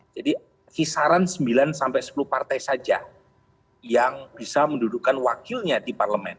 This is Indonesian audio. jadi kisaran sembilan sampai sepuluh partai saja yang bisa mendudukkan wakilnya di parlemen